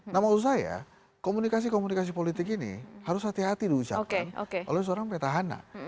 nah maksud saya komunikasi komunikasi politik ini harus hati hati diucapkan oleh seorang petahana